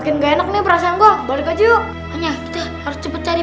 kita pun caranya kak jangan tidur di rumah ini